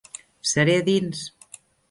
Seré a dins.